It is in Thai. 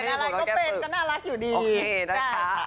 เป็นอะไรก็เป็นก็น่ารักอยู่ดี